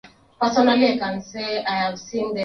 wa viongozi wa kiraia wengi wanaamini